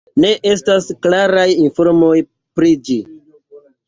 Ne estas klaraj informoj pri ĝi.